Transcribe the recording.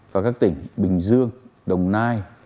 và các tỉnh bình dương đồng nai